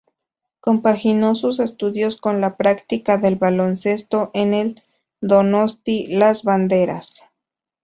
Compaginó sus estudios con la práctica del baloncesto en el Donosti-Las Banderas.